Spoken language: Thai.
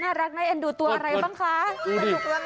รักน่าเอ็นดูตัวอะไรบ้างคะ